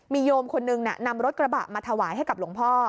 มีโยมคนนึงนำรถกระบะมาถวายให้กับหลวงพ่อ